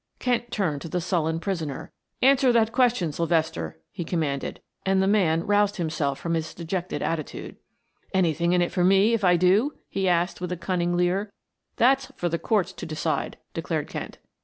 Kent turned to the sullen prisoner. "Answer that question, Sylvester," he commanded, and the man roused himself from his dejected attitude. "Anything in it for me if I do?" he asked with a cunning leer. "That's for the courts to decide," declared Kent.